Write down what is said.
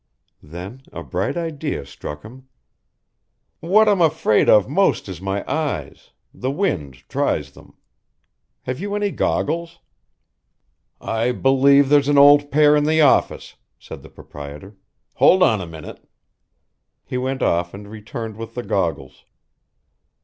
Then a bright idea struck him. "What I'm afraid of most is my eyes, the wind tries them. Have you any goggles?" "I believe there's an old pair in the office," said the proprietor, "hold on a minute." He went off and returned with the goggles.